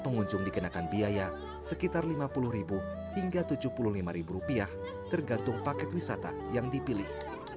pengunjung dikenakan biaya sekitar lima puluh hingga rp tujuh puluh lima rupiah tergantung paket wisata yang dipilih